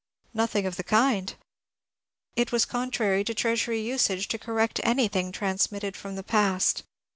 Nothing of the kind ! It was contrary to Treasury usage to correct anything transmit ted from the past.